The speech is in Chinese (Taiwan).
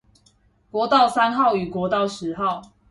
國道三號與國道十號